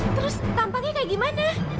terus tampaknya kayak gimana